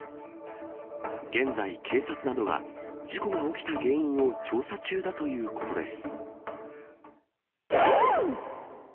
現在、警察などは事故が起きた原因を調査中だということです。